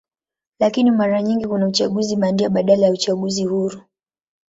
Lakini mara nyingi kuna uchaguzi bandia badala ya uchaguzi huru.